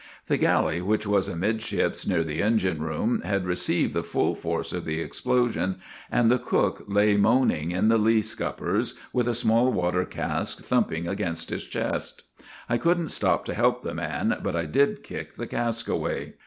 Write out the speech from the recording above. ; The galley, which was amidships near the engine room, had received the full force of the explosion, and the cook lay moaning in the lee scuppers with a small water cask thumping against his chest. I could n't stop to help the man, but I did kick the cask away.